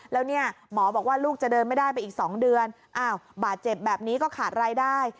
แล้วเนี่ยหมอบอกว่าลูกจะเดินไม่ได้ไปอีก๒เดือนอ้าวบาดเจ็บแบบนี้ก็ขาดรายได้